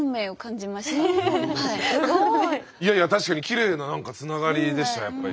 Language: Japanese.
確かにきれいな何かつながりでしたやっぱり。